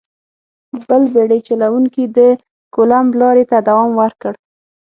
بل بېړۍ چلوونکي د کولمب لارې ته دوام ورکړ.